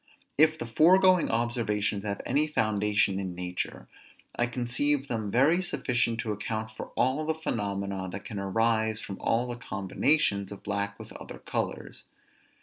If the foregoing observations have any foundation in nature, I conceive them very sufficient to account for all the phenomena that can arise from all the combinations of black with other colors.